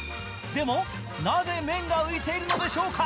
でも、なぜ麺が浮いているのでしょうか。